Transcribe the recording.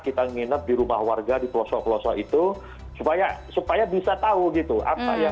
kita nginep di rumah warga di pelosok pelosok itu supaya bisa tahu apa yang saya lakukan minimal diri saya